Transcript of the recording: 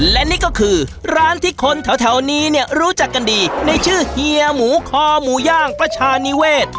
และนี่ก็คือร้านที่คนแถวนี้เนี่ยรู้จักกันดีในชื่อเฮียหมูคอหมูย่างประชานิเวศ